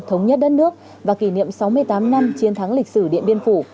thống nhất đất nước và kỷ niệm sáu mươi tám năm chiến thắng lịch sử điện biên phủ